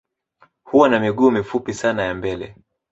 Huwa na miguu mifupi sana ya mbele